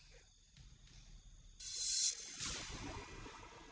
mau jadi kayak gini sih salah buat apa